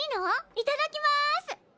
いただきます！